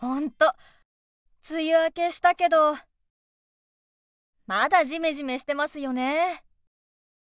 本当梅雨明けしたけどまだジメジメしてますよね。